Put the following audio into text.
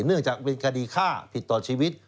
เนื่องจากเป็นคดีฆ่าผิดต่อชีวิต